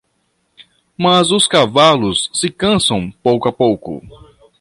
Mas os cavalos se cansam pouco a pouco.